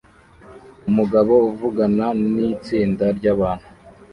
Umugabo uvugana nitsinda ryabantu